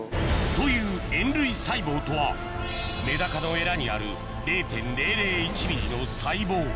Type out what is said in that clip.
という塩類細胞とはメダカのエラにある０．００１ｍｍの細胞